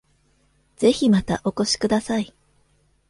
ぜひまたお越しください